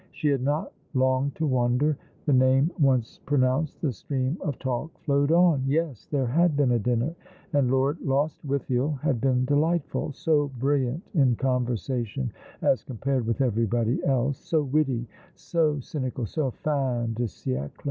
She had not long to wonder. The name once pronounced, the stream of talk flowed on. Yes, there had been a dinner, and Lord Lostwithiel had been delightful ; so brilliant in conversation as compared with everybody else ; so witty, so cynical, so^/i de siede.